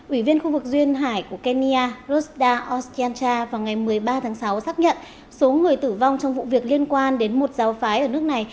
ủy viên khu vực duyên hải của kenya rosda oscanta vào ngày một mươi ba tháng sáu xác nhận số người tử vong trong vụ việc liên quan đến một giáo phái ở nước này